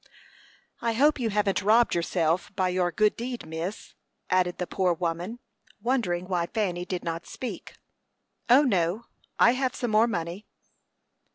"I hope you haven't robbed yourself by your good deed, miss," added the poor woman, wondering why Fanny did not speak. "O, no! I have some more money."